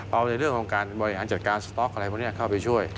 เอาในเรื่องของการบริหารจัดการสต๊อกอะไรพวกนี้เข้าไปช่วย